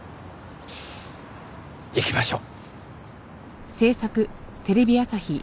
行きましょう。